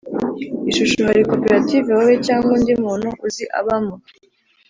Ishusho Hari Koperative wowe cg undi muntu uzi abamo